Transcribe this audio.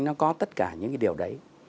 nó có tất cả những cái điều đấy